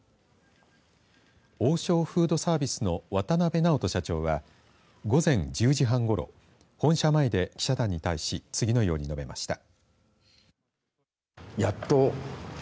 王将フードサービスの渡邊直人社長は午前１０時半ごろ本社前で記者団に対し次のように述べました。